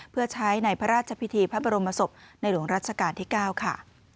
เพื่อใช้ในพระราชพิธีพระบรมศพในหลวงรัชกาลที่๙ค่ะ